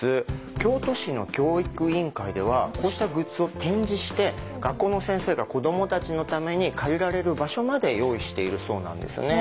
京都市の教育委員会ではこうしたグッズを展示して学校の先生が子どもたちのために借りられる場所まで用意しているそうなんですね。